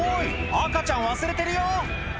赤ちゃん忘れてるよ！